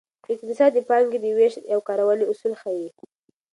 اقتصاد د پانګې د ویش او کارونې اصول ښيي.